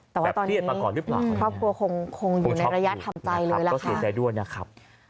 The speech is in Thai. แต่ว่าตอนนี้ครอบครัวคงอยู่ในระยะทำใจเลยละค่ะ